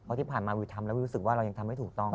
เพราะที่ผ่านมาวิวทำแล้วคิดว่าเราทำไม่ถูกต้อง